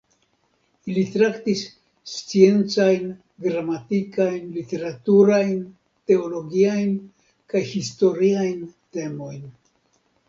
Ili traktis sciencajn, gramatikajn, literaturajn, teologiajn kaj historiajn temojn.